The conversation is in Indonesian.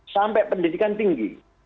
sampai pendidikan tinggi